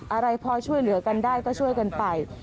อะไรพอช่วยเหลือกันได้ก็ช่วยกันไป